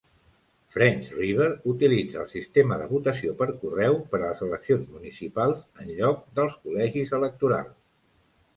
French River utilitza el sistema de votació per correu per a les eleccions municipals en lloc dels col·legis electorals.